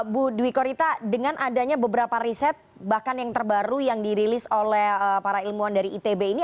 bu dwi korita dengan adanya beberapa riset bahkan yang terbaru yang dirilis oleh para ilmuwan dari itb ini